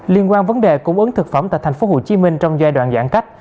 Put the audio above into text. liên quan vấn đề cung ứng thực phẩm tại thành phố hồ chí minh trong giai đoạn giãn cách